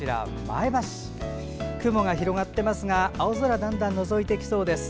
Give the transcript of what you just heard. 前橋市、雲が広がっていますが青空がだんだんのぞいてきそうです。